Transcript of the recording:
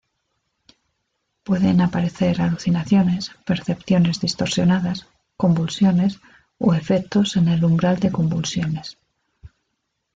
Pueden aparecer alucinaciones, percepciones distorsionadas, convulsiones o efectos en el umbral de convulsiones.